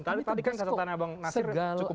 tadi kan catatan abang nasir cukup jelas sekali